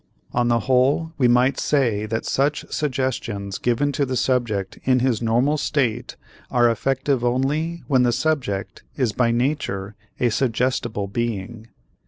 On the whole, we might say that such suggestions given to the subject in his normal state are effective only when the subject is by nature a suggestible being.